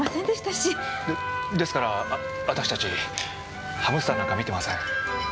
でですから私たちハムスターなんか見てません。